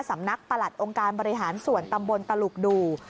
ประหลัดองค์การบริหารส่วนตำบลตลุกดู